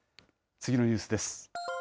次のニュースです。